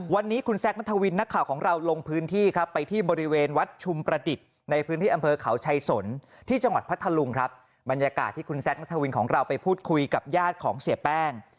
วันนี้คุณแซ็กนัธวินนักข่าวของเราลงพื้นที่กับไปที่บริเวณวัสดิ์ชุมปะ